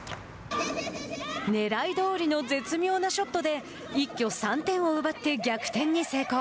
狙いどおりの絶妙なショットで一挙３点を奪って逆転に成功。